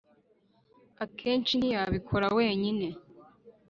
akenshi ntiyabikora wenyine.